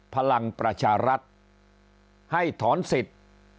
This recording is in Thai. พลังประชารัฐให้ถอนสิทธิ์